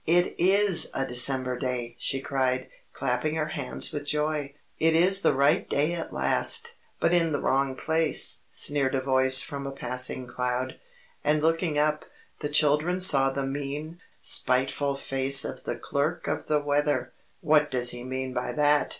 "It IS a December day!" she cried, clapping her hands with joy. "It is the right day at last!" "But in the wrong place!" sneered a voice from a passing cloud. And looking up, the children saw the mean, spiteful face of the Clerk of the Weather. "What does he mean by that?"